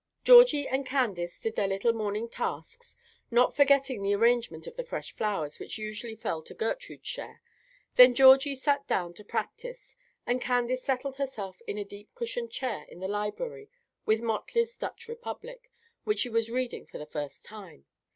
Georgie and Candace did their little morning tasks, not forgetting the arrangement of the fresh flowers, which usually fell to Gertrude's share; then Georgie sat down to practise, and Candace settled herself in a deep cushioned chair in the library with Motley's "Dutch Republic," which she was reading for the first time.